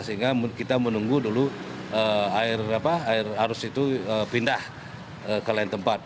sehingga kita menunggu dulu air arus itu pindah ke lain tempat